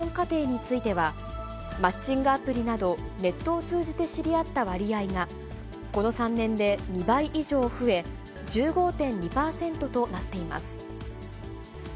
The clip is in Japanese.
また、夫婦の結婚過程については、マッチングアプリなど、ネットを通じて知り合った割合が、この３年で２倍以上増え、１５．２％となっています。